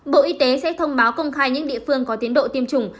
bộ y tế sẽ thông báo công khai những địa phương có tiến độ tiêm chủng